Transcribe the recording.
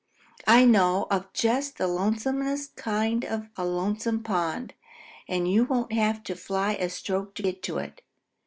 I know of just the lonesomest kind of a lonesome pond, and you won't have to fly a stroke to get to it.